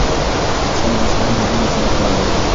ساینس د انسانانو ژوند اسانه کړی دی.